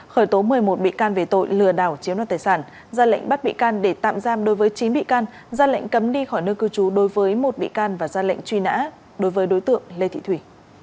khởi tố một mươi một bị can về tội lừa đảo chiếm đoạt tài sản ra lệnh bắt bị can để tạm giam đối với chín bị can ra lệnh cấm đi khỏi nơi cư trú đối với một bị can và ra lệnh truy nã đối với đối tượng lê thị thủy